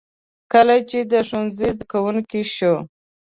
کله چې د ښوونځي زده کوونکی شو.